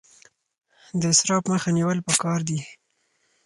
د اسراف مخه نیول پکار دي